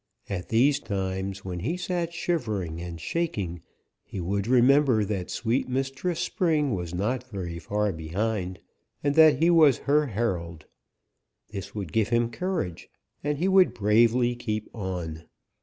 At these times, when he sat shivering and shaking, he would remember that sweet Mistress Spring was not very far behind and that he was her herald. This would give him courage, and he would bravely keep on.